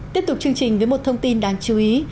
tiếp tục chương trình với một thông tin đáng chú ý